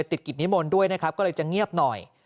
ติดกิจนิมนต์ด้วยนะครับก็เลยจะเงียบหน่อย